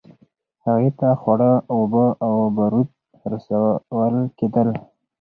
هغې ته خواړه، اوبه او بارود رسول کېدل.